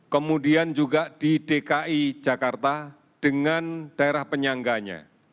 kemudian juga di dki jakarta dengan daerah penyangganya